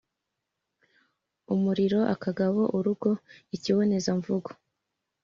umuriro, akagabo urugo, ikibonezamvugo